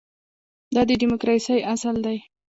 دا د ډیموکراسۍ اصل دی.